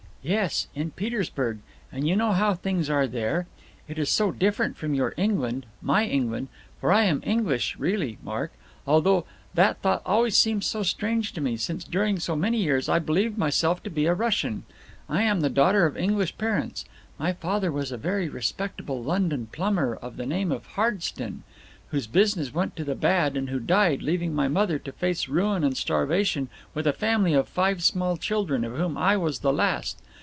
"Yes, in Petersburg. And you know how things are there. It is so different from your England, my England. For I am English really, Mark, although that thought always seems so strange to me; since during so many years I believed myself to be a Russian. I am the daughter of English parents; my father was a very respectable London plumber of the name of Harsden, whose business went to the bad and who died, leaving my mother to face ruin and starvation with a family of five small children, of whom I was the last.